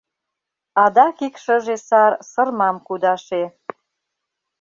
Адак ик шыже сар сырмам кудаше